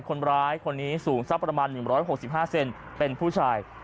คนร้ายคนนี้สูงสักประมาณ๑๖๕เซนเป็นผู้ชาย